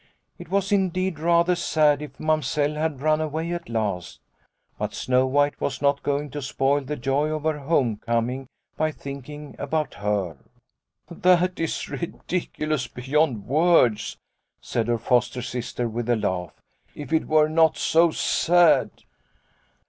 It was indeed rather sad if Mamsell had run away at last, but Snow White was not going to spoil the joy of her home coming by thinking about her." " That is ridiculous beyond words," said her foster sister, with a laugh, "if it were not so sad."